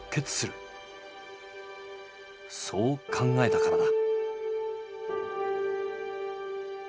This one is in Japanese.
そう考えたからだ。